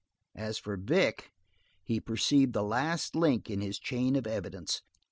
As for Vic, he perceived the last link in his chain of evidence.